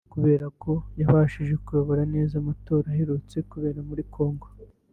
kubera ko yabashije kuyobora neza amatora aherutse kubera muri Congo